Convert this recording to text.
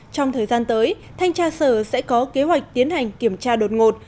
trong thời gian tới thanh tra sở sẽ có kế hoạch tiến hành kiểm tra đột ngột